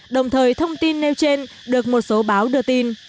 đồng thời thông tin nêu trên được một số báo đưa tin